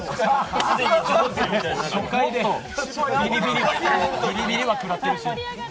初回でビリビリは食らってるし。